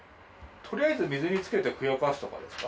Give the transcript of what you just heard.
とりあえず水に漬けてふやかすとかですか？